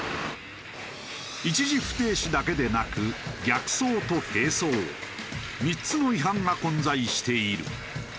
一時不停止だけでなく逆走と並走３つの違反が混在している。